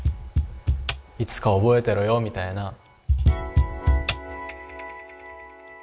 いつか覚えてろよみたいな。